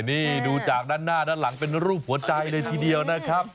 นี่ดูจากด้านหน้าด้านหลังเป็นรูปหัวใจเลยทีเดียวนะครับ